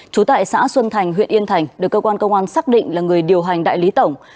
trú tại xã xuân thành huyện yên thành được cơ quan công an xác định là người điều hành đại lý tổng